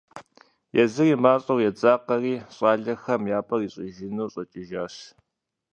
Езыри мащӀэу едзакъэри, щӀалэхэм я пӀэр ищӀыжыну щӀэкӀыжащ.